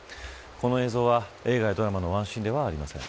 この映像は映画やドラマのワンシーンではありません。